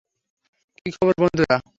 কী খবর, বন্ধুরা।